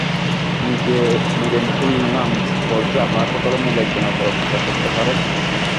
নীরেন শুনলাম বলচে-আপনারা সকলে মিলে একজনের ওপর অত্যাচার কর্তা পারেন।